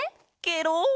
ケロ！